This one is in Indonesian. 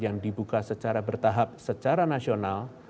yang dibuka secara bertahap secara nasional